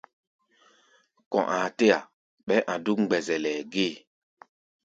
Kɔ̧ aa tɛ́-a ɓɛɛ́ a̧ dúk mgbɛzɛlɛ gée.